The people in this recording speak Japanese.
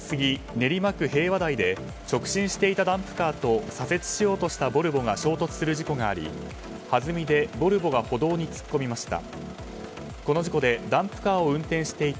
練馬区平和台で直進していたダンプカーと左折しようとしたボルボが衝突する事故がありはずみでボルボが歩道に突っ込みました。